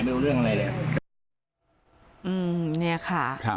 ไม่รู้เรื่องอะไรแหละ